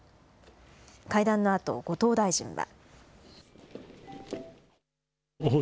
会談のあと、後藤大臣は。